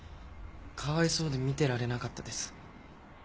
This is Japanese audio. かわいそうで見てられなかったです。